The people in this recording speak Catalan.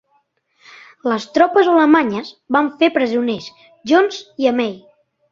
Les tropes alemanyes van fer presoners Johns i Amey.